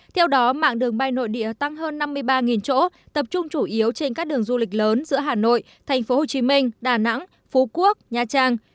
theo đó mạng đường bay nội địa tăng hơn năm mươi ba chỗ tập trung chủ yếu trên các đường du lịch lớn giữa hà nội thành phố hồ chí minh đà nẵng phú quốc nha trang